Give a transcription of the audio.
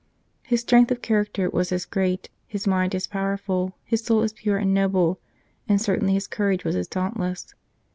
His strength of character was as great, his mind as powerful, his soul as pure and noble, and certainly his courage was as dauntless.